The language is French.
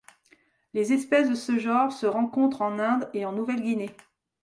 Les espèces de ce genre se rencontrent en Inde et en Nouvelle-Guinée.